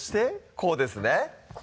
こうです